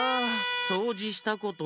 そうじしたことねえな？